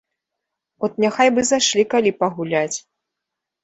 От няхай бы зайшлі калі пагуляць.